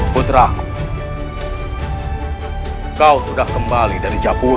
putra kau sudah kembali dari japur